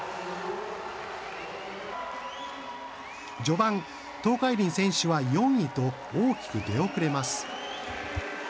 序盤、東海林選手は４位と大きく出遅れます。